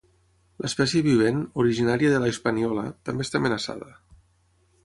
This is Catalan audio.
L'espècie vivent, originària de la Hispaniola, també està amenaçada.